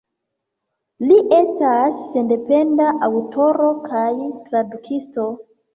Li estas sendependa aŭtoro kaj tradukisto.